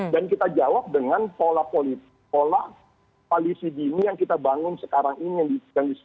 dan kita jawab dengan pola polisi dini yang kita bangun sekarang ini